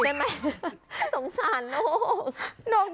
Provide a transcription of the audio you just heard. โอ๊ยสงสารลูก